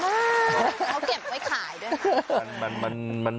เขาเก็บไว้ขายด้วย